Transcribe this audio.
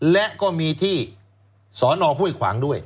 และก็มีที่สอนอห้วยขวางด้วย